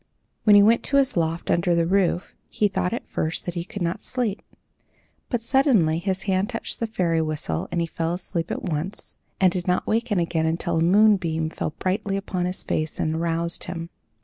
When he went to his loft under the roof, he thought at first that he could not sleep; but suddenly his hand touched the fairy whistle and he fell asleep at once, and did not waken again until a moonbeam fell brightly upon his face and aroused him.